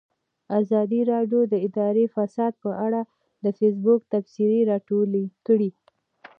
ازادي راډیو د اداري فساد په اړه د فیسبوک تبصرې راټولې کړي.